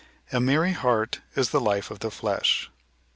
"A merry heart is the life of the flesh."